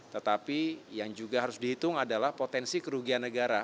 tetapi yang juga harus dihitung adalah potensi kerugian negara